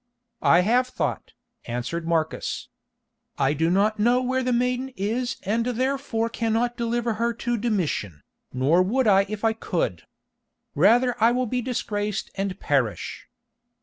"I have thought," answered Marcus. "I do not know where the maiden is and therefore cannot deliver her to Domitian, nor would I if I could. Rather will I be disgraced and perish."